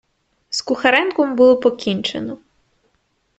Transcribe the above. З Кухаренком було покінчено.